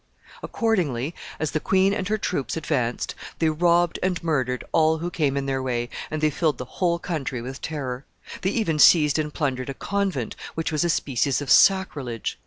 Accordingly, as the queen and her troops advanced, they robbed and murdered all who came in their way, and they filled the whole country with terror. They even seized and plundered a convent, which was a species of sacrilege.